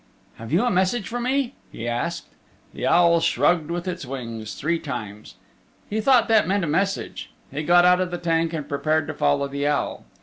"Have you a message for me?" he asked. The owl shrugged with its wings three times. He thought that meant a message. He got out of the tank and prepared to follow the owl.